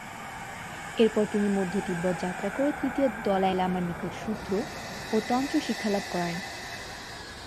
এরপর তিনি মধ্য তিব্বত যাত্রা করে তৃতীয় দলাই লামার নিকট সূত্র অ তন্ত্র শিক্ষালাভ করেন।